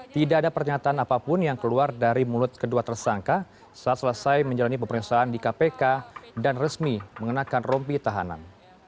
tidak ada pernyataan apapun yang keluar dari mulut kedua tersangka saat selesai menjalani pemeriksaan di kpk dan resmi mengenakan rompi tahanan